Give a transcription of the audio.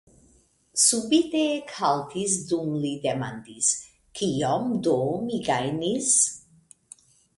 Subite ekhaltis, dum li demandis: Kiom do mi gajnis?